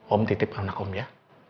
om titip anak om ya